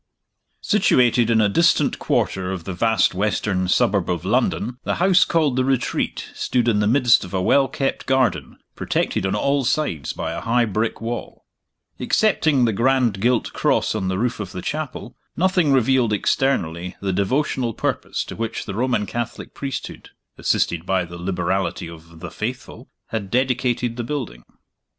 SITUATED in a distant quarter of the vast western suburb of London, the house called The Retreat stood in the midst of a well kept garden, protected on all sides by a high brick wall. Excepting the grand gilt cross on the roof of the chapel, nothing revealed externally the devotional purpose to which the Roman Catholic priesthood (assisted by the liberality of "the Faithful") had dedicated the building.